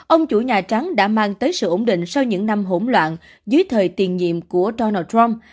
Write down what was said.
ông chủ nhà trắng đã mang tới sự ổn định sau những năm hỗn loạn dưới thời tiền nhiệm của donald trump